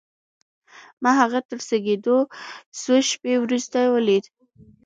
ما هغه تر زېږېدو څو شېبې وروسته وليد.